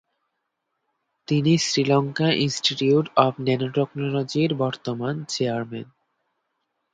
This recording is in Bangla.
তিনি শ্রীলঙ্কা ইনস্টিটিউট অব ন্যানোটেকনোলজির বর্তমান চেয়ারম্যান।